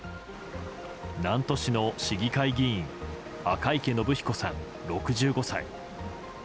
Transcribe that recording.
南砺市の市議会議員赤池伸彦さん、６５歳。